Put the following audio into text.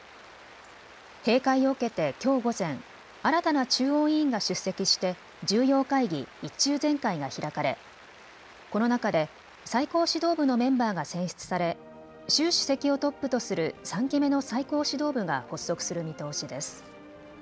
閉会を受けてきょう午前、新たな中央委員が出席して重要会議、１中全会が開かれこの中で最高指導部のメンバーが選出され、習主席をトップとする３期目の最高指導部が発足する見通しです。